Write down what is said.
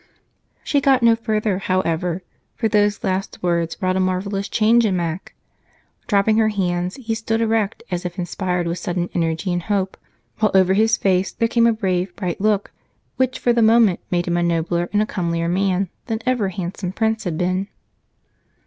She got no further, however, for those last words wrought a marvelous change in Mac. Dropping her hands, he stood erect, as if inspired with sudden energy and hope, while over his face there came a brave, bright look, which for the moment made him a nobler and comelier man than ever handsome Prince had been.